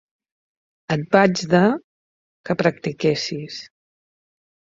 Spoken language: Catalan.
Et vaig de que practiquessis.